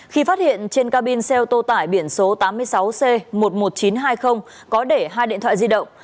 khi phát hiện trên cabin xe ô tô tải biển số tám mươi sáu c một mươi một nghìn chín trăm hai mươi có để hai điện thoại di động